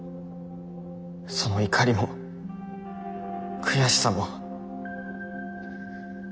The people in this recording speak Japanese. その怒りも悔しさも。